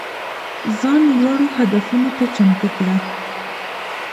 ځان لوړو هدفونو ته چمتو کړه.